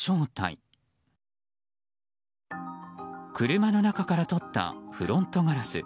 車の中から撮ったフロントガラス。